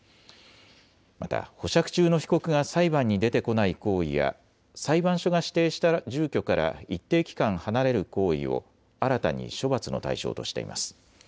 また保釈中の被告が裁判に出てこない行為や裁判所が指定した住居から一定期間離れる行為を新たに処罰の対象としています。